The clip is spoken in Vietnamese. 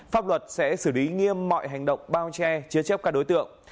pháp luật sẽ xử lý nghiêm mọi hành động bao che chứa chép các đối tượng